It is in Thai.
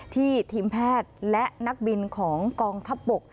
ทีมแพทย์และนักบินของกองทัพบก